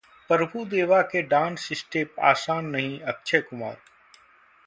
प्रभु देवा के dance step आसान नहीं: अक्षय कुमार